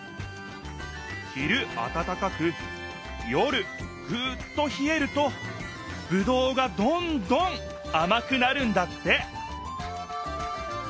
昼あたたかく夜ぐっとひえるとぶどうがどんどんあまくなるんだって！